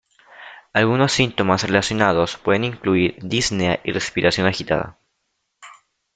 Algunos síntomas relacionados pueden incluir disnea y respiración agitada.